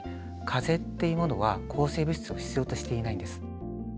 かぜっていうものは抗生物質を必要としていないんです。